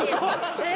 えっ！？